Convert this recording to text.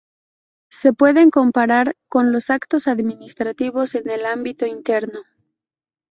Se pueden comparar con los actos administrativos en el ámbito interno.